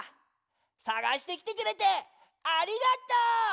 探してきてくれてありがとう！